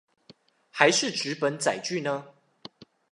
還是紙本載具呢